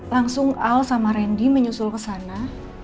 langsung al sama randy menyusul kesana